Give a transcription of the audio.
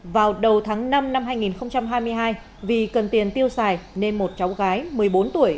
vào đầu tháng năm năm hai nghìn hai mươi hai vì cần tiền tiêu xài nên một cháu gái một mươi bốn tuổi